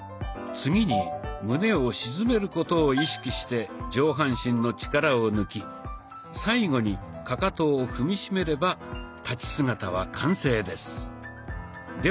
次に胸を沈めることを意識して上半身の力を抜き最後にかかとを踏みしめれば立ち姿は完成です。